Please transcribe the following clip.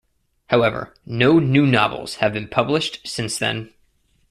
However, no new novels have been published since then.